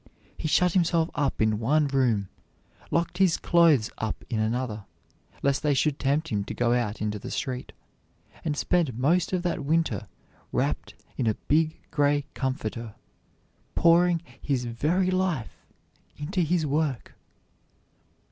He shut himself up in one room, locking his clothes up in another, lest they should tempt him to go out into the street, and spent most of that winter wrapped in a big gray comforter, pouring his very life into his work.